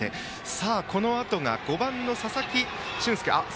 さあ、このあとが５番の佐々木駿介です。